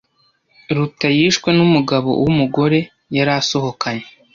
Ruta yishwe numugabo wumugore yari asohokanye.